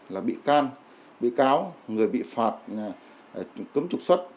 là bị can bị cáo người bị phạt cấm trục xuất